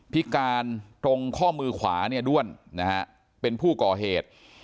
พิการตรงข้อมือขวาเนี่ยด้วนนะฮะเป็นผู้ก่อเหตุ